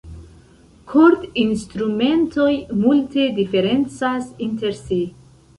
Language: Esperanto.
Kord-instrumentoj multe diferencas inter si.